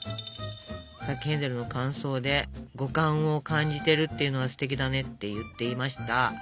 さっきヘンゼルの感想で「五感を感じてるっていうのはステキだね」って言っていました。